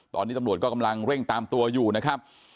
ตอนนี้ตำรวจก็กำลังเร่งตามตัวอยู่นะครับ